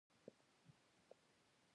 کتابونه د پوهې د لېږد غوره وسیله ده.